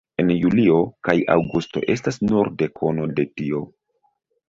En julio kaj aŭgusto estas nur dekono de tio.